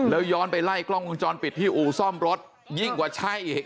แล้วย้อนไปไล่กล้องวงจรปิดที่อู่ซ่อมรถยิ่งกว่าใช่อีก